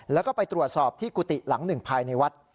แล้วก็ไปตรวจสอบที่กุฏิหลังหนึ่งภายในวัด